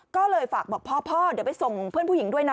ก็เลยฝากบอกพ่อพ่อเดี๋ยวไปส่งเพื่อนผู้หญิงด้วยนะ